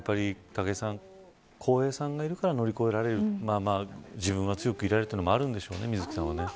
武井さん、こうへいさんがいるから乗り越えられる自分は強くいられるというのもあるんでしょうね